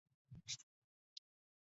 反切上字注声母。